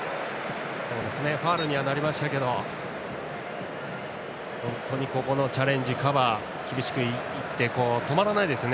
ファウルにはなりましたが本当にここのチャレンジ、カバー厳しく行って止まらないですね